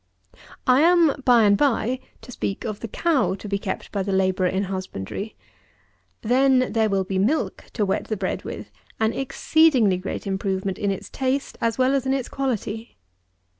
83. I am, by and by, to speak of the cow to be kept by the labourer in husbandry. Then there will be milk to wet the bread with, an exceedingly great improvement in its taste as well as in its quality!